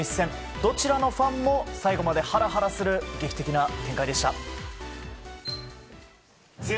どちらのファンも最後までハラハラする劇的な展開でした。